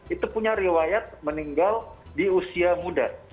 itu punya riwayat meninggal di usia muda